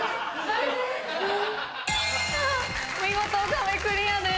見事壁クリアです！